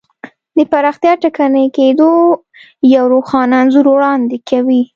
د پراختیا ټکني کېدو یو روښانه انځور وړاندې کوي.